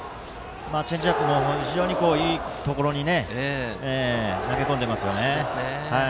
チェンジアップも非常にいいところに投げ込んでいますね。